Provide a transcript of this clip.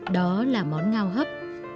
đó là món ngao hấp